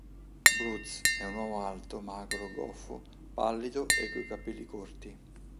Broots è un uomo alto, magro, goffo, pallido e coi capelli corti.